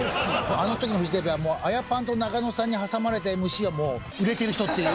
あの時のフジテレビはアヤパンと中野さんに挟まれたＭＣはもう売れている人っていう。